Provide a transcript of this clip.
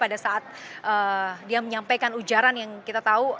pada saat dia menyampaikan ujaran yang kita tahu